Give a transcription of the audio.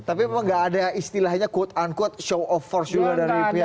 tapi memang gak ada istilahnya quote unquote show of force juga dari pihak